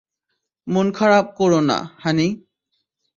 মন খারাপ কোরো না, হানি।